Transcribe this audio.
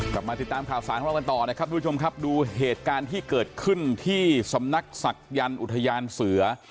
กลับมาติดตามข่าวสารของเรากันต่อนะครับทุกผู้ชมครับดูเหตุการณ์ที่เกิดขึ้นที่สำนักศักยันต์อุทยานเสือ